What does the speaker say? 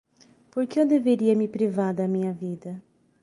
Por que eu deveria me privar da minha vida?